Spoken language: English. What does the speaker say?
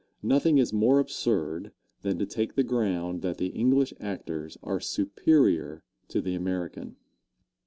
Nothing is more absurd than to take the ground that the English actors are superior to the American.